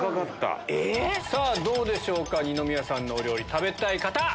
さぁどうでしょうか二宮さんのお料理食べたい方！